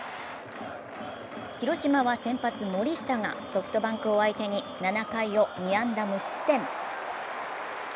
広島は先発・森下がソフトバンクを相手に７回を２安打無失点。